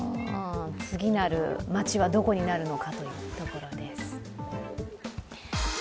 次なる町はどこになるのかというところです